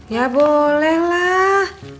ya boleh lah